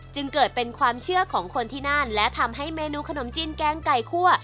จึงเกิดเป็นความเชื่อของคนที่นั่นและทำให้เมนูขนมจีนแกงไก่คั่ว